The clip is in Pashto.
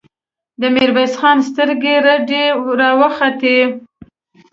د ميرويس خان سترګې رډې راوختې!